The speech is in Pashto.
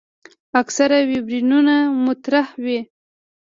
اکثره ویبریونونه متحرک وي.